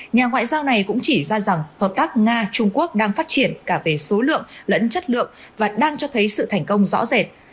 nhà ngoại giao này cũng chỉ ra rằng hợp tác nga trung quốc đang phát triển cả về số lượng lẫn chất lượng và đang cho thấy sự thành công rõ rệt